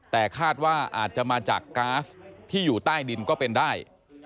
แต่คาดว่าอาจจะมาจากก๊าซที่อยู่ใต้ดินก็เป็นได้